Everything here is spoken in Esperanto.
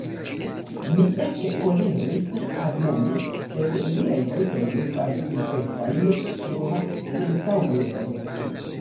Mi ekkoleris, admonis, sed miaj vortoj ne faris impresojn sur la sentaŭguloj.